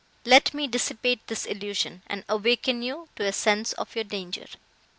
Let me dissipate this illusion, and awaken you to a sense of your danger."